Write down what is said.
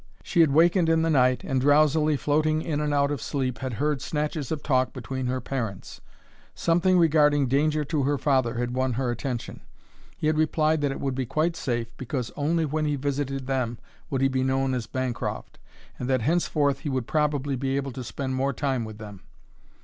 She had wakened in the night and, drowsily floating in and out of sleep, had heard snatches of talk between her parents. Something regarding danger to her father had won her attention. He had replied that it would be quite safe, because only when he visited them would he be known as Bancroft, and that henceforth he would probably be able to spend more time with them.